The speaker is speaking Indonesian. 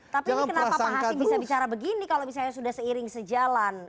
tapi ini kenapa pak hasim bisa bicara begini kalau misalnya sudah seiring sejalan